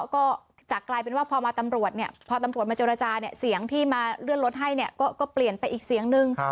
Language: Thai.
ก็จะกลายเป็นว่าพอมาตำรวจเนี่ยพอตำรวจมาเจรจาเนี่ยเสียงที่มาเลื่อนรถให้เนี่ยก็เปลี่ยนไปอีกเสียงนึง